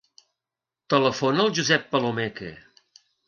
Telefona al Josep Palomeque.